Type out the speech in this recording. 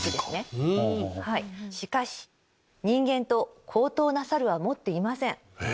しかし人間と高等な猿は持っていません。